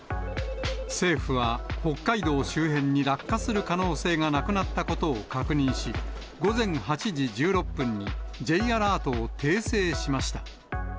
政府は北海道周辺に落下する可能性がなくなったことを確認し、午前８時１６分にＪアラートを訂正しました。